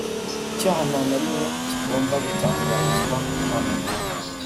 Icyaha nta na rimwe kigomba gutangarizwa mu ruhame